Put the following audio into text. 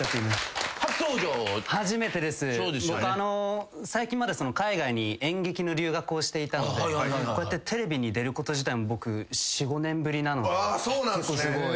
僕最近まで海外に演劇の留学をしていたのでこうやってテレビに出ること自体も僕４５年ぶりなので結構すごい。